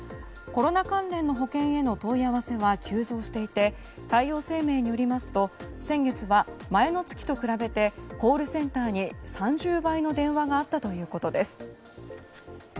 コロナ関連の保険への問い合わせは急増していて太陽生命によりますと先月は、前の月と比べてコールセンターに３０倍の電話があったということです。